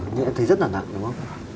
nhưng em thấy rất là nặng đúng không